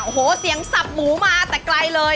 โอ้โหเสียงสับหมูมาแต่ไกลเลย